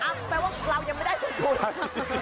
อ้าวแปลว่าเรายังไม่ได้ส่วนบุญ